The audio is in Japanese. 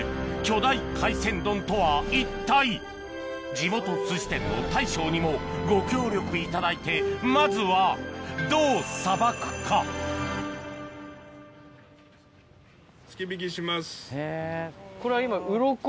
地元寿司店の大将にもご協力いただいてまずはこれは今。